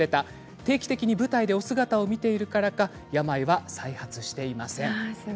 定期的に舞台でお姿を見ているからか病は再発していません。